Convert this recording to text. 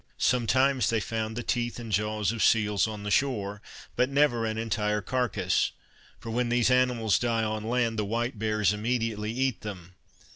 Sometimes they found the teeth and jaws of seals on the shore, but never an entire carcase; for when these animals die on land, the white bears immediately eat them.